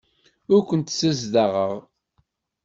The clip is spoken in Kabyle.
Ur kent-ssezdaɣeɣ.